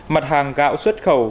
mặt hàng gạo xuất khẩu